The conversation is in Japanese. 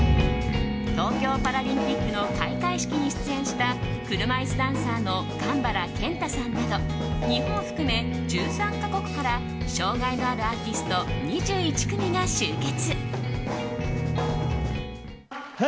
東京パラリンピックの開会式に出演した車椅子ダンサーのかんばらけんたさんなど日本を含め１３か国から障害のあるアーティスト２１組が集結。